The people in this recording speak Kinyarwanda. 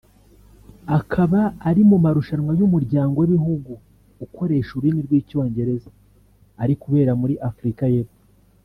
akaba ari mu marushanwa y’Umuryango w’ibihugu ukoresha ururimi rw’icyongererza ari kubera muri Afurika y’Epfo